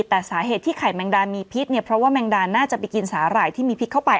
แต่สาเหตุที่ไข่แมงดามีพิษเนี่ยเพราะว่าแมงดาน่าจะไปกินสาหร่ายที่มีพิษเข้าไป